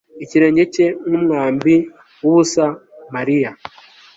Ikirenge cye nkumwambi wubusa Mariya